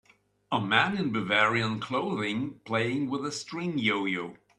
A man in bavarian clothing playing with a string yoyo.